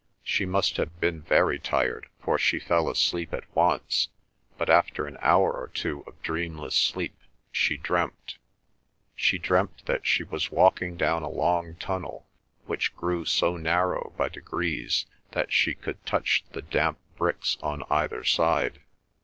She must have been very tired for she fell asleep at once, but after an hour or two of dreamless sleep, she dreamt. She dreamt that she was walking down a long tunnel, which grew so narrow by degrees that she could touch the damp bricks on either side.